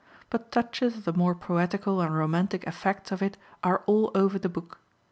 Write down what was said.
But touches of the more poetical and romantic effects of it are all over the book.